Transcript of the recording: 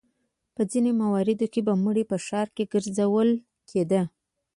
په ځینو مواردو کې به مړی په ښار کې ګرځول کېده.